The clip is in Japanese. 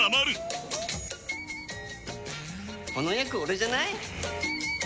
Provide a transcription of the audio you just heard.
この役オレじゃない？